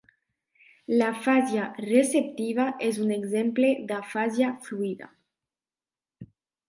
L'afàsia receptiva és un exemple d'afàsia fluida.